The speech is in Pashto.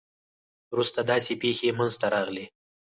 وروسته داسې پېښې منځته راغلې.